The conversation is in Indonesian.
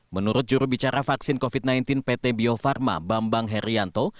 menurut jurubicara vaksin covid sembilan belas pt bio farma bambang herianto